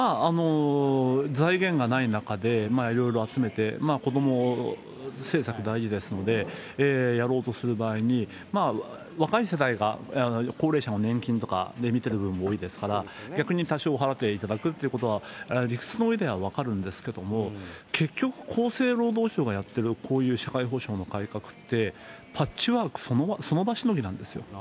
財源がない中で、色々集めて、子ども政策大事ですので、やろうとする場合に、若い世代が高齢者の年金とかでみている部分も多いですから、逆に多少払っていただくということは、理屈の上では分かるんですけれども、結局、厚生労働省がやってるこういう社会保障の改革って、パッチワーク、その場しのぎなんですよ。